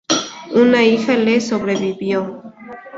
Una hija le sobrevivió.